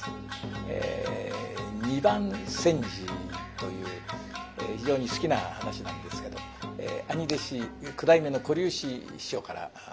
「二番煎じ」という非常に好きな噺なんですけど兄弟子九代目の小柳枝師匠から習いました。